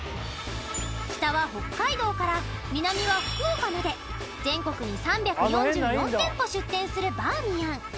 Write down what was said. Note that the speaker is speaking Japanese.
北は北海道から南は福岡まで全国に３４４店舗出店するバーミヤン